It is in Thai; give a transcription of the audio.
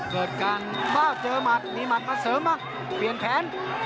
เกิดการเจอหมัดมีหมัดมาเสริมมาเปลี่ยนแผน